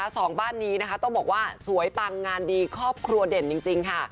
สองบ้านนี้นะคะต้องบอกว่าสวยปังงานดีครอบครัวเด่นจริงค่ะ